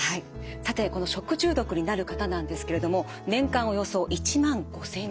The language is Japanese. さてこの食中毒になる方なんですけれども年間およそ１万５，０００人です。